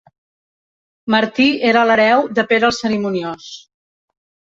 Martí era l'hereu de Pere el Cerimoniós.